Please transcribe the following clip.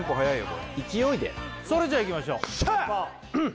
これ勢いでそれじゃあいきましょうシャーッ！